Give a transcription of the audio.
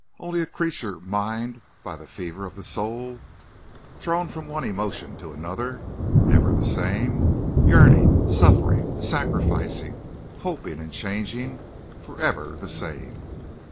"Only a creature mined by the fever of the soul!... Thrown from one emotion to another? Never the same. Yearning, suffering, sacrificing, hoping, and changing—forever the same!